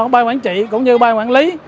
bà quản trị cũng như bà quản lý